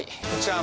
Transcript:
あ！